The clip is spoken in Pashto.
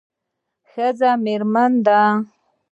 ښځه میرمن ده